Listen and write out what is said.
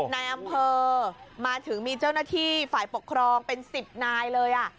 นายอำเภอมาถึงมีเจ้าหน้าที่ฝ่ายปกครองเป็น๑๐นายเลย